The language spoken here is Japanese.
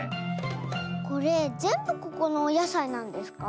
これぜんぶここのおやさいなんですか？